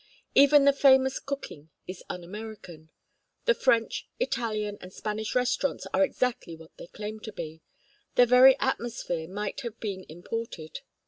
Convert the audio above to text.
Even the famous cooking is un American. The French, Italian, and Spanish restaurants are exactly what they claim to be; their very atmosphere might have been imported.